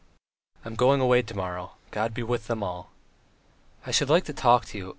"I'm going away to morrow; God be with them all." "I should like to talk to you. .